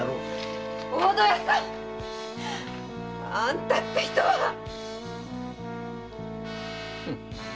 あんたって人は。